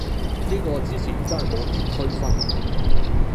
呢個之前真係冇點區分